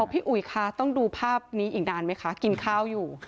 พี่อุ๋ยคะต้องดูภาพนี้อีกนานไหมคะกินข้าวอยู่